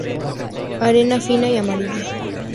Arena: fina y amarilla.